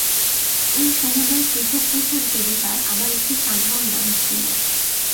এই সমুদয় পৃথক পৃথক দেবতার আবার একটি সাধারণ নাম ছিল।